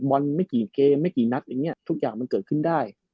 บอลไม่กี่เกมไม่กี่นัดอย่างนี้ทุกอย่างมันเกิดขึ้นได้